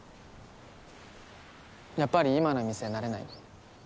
やっぱり今の店慣れない？